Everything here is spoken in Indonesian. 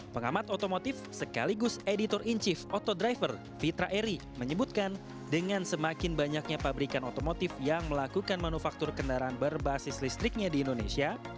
pengamat otomotif sekaligus editor in chief autodriver fitra eri menyebutkan dengan semakin banyaknya pabrikan otomotif yang melakukan manufaktur kendaraan berbasis listriknya di indonesia